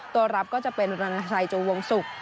ตัวรับก็จะเป็นรณชัยจูวงศุกร์